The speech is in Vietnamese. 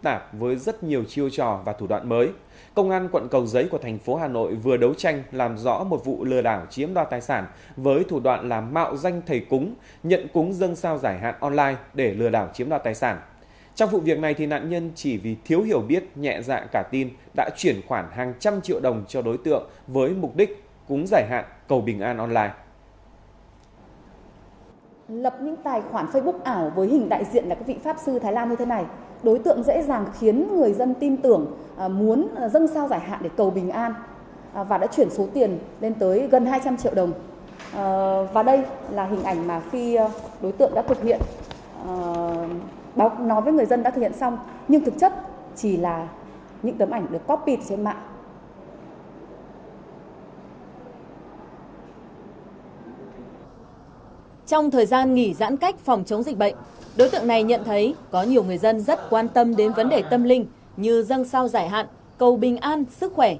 trong thời gian nghỉ giãn cách phòng chống dịch bệnh đối tượng này nhận thấy có nhiều người dân rất quan tâm đến vấn đề tâm linh như dân sao giải hạn cầu bình an sức khỏe